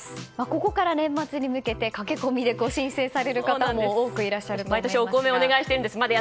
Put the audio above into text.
ここから年末に向けて駆け込みで申請される方も多くいらっしゃるかと思います。